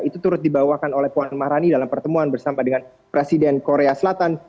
itu turut dibawakan oleh puan maharani dalam pertemuan bersama dengan presiden korea selatan